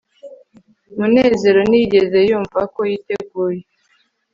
munezero ntiyigeze yumva ko yiteguye